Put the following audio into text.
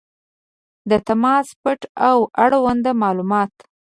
• د تماس پته او اړوند معلومات